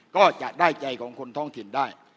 ก็จะได้ใจของคนท้องถิ่นได้